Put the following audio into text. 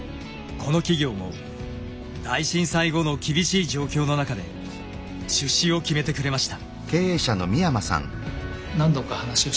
この企業も大震災後の厳しい状況の中で出資を決めてくれました。